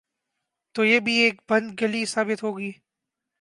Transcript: تو یہ بھی ایک بند گلی ثابت ہو گی۔